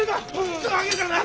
すぐ上げるからな！